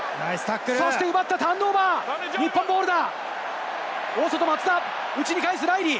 そしてターンオーバー、日本ボールだ！